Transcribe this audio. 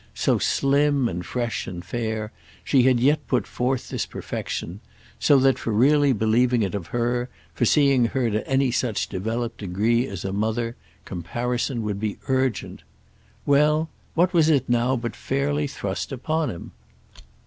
So slim and fresh and fair, she had yet put forth this perfection; so that for really believing it of her, for seeing her to any such developed degree as a mother, comparison would be urgent. Well, what was it now but fairly thrust upon him?